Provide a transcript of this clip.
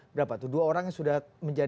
berapa tuh dua orang yang sudah menjadi